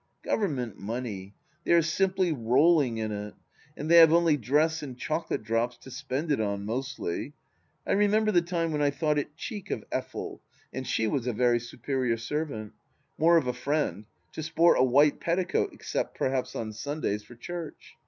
Government Money 1 They are simply rolling in it. And they have only dress and chocolate drops to spend it on, mostly. I remember the time when I thought it cheek of Effel — ^and she was a very superior servant : more of a friend — ^to sport a white petticoat, except, perhaps, on Sundays for church.